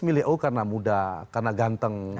milih oh karena muda karena ganteng